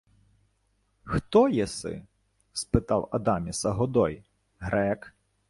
— Хто єси? — спитав Адаміса Годой. — Грек?